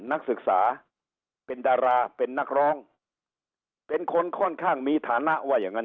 นักศึกษาเป็นดาราเป็นนักร้องเป็นคนค่อนข้างมีฐานะว่าอย่างงั้น